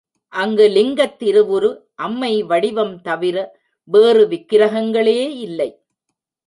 அங்கு லிங்கத் திருவுரு, அம்மை வடிவம் தவிர வேறு விக்கிரகங்களே இல்லை.